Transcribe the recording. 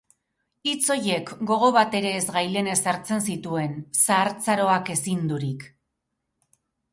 Hitz horiek gogo bat ere ez gailenez hartzen zituen, zahartzaroak ezindurik.